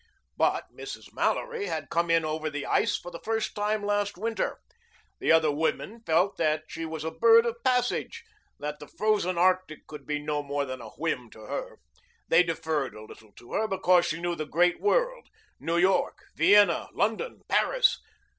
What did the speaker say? But Mrs. Mallory had come in over the ice for the first time last winter. The other women felt that she was a bird of passage, that the frozen Arctic could be no more than a whim to her. They deferred a little to her because she knew the great world New York, Vienna, London, Paris.